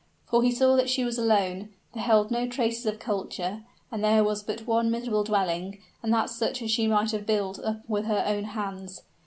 For he saw that she was alone beheld no traces of culture; and there was but one miserable dwelling, and that such as she might have built up with her own hands.